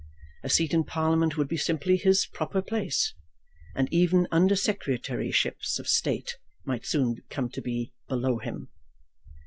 A seat in Parliament would be simply his proper place, and even Under Secretaryships of State might soon come to be below him.